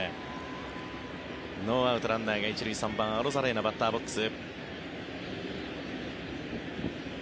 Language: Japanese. ノーアウト、ランナーが１塁３番、アロザレーナバッターボックス。